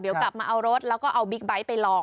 เดี๋ยวกลับมาเอารถแล้วก็เอาบิ๊กไบท์ไปลอง